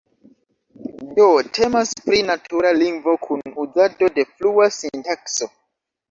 Do temas pri natura lingvo kun uzado de flua sintakso.